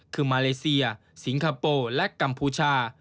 คือมาเลเซียสิงคโปร์และกัมพูชา